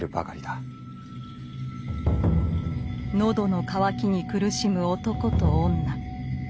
喉の渇きに苦しむ男と女。